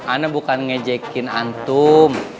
aku bukan ngejekin antum